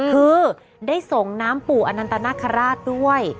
คือได้ส่งน้ำปู่อนันตนาคาราชด้วย